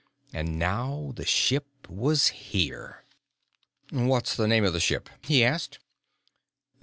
And now the ship was here. "What's the name of the ship?" he asked.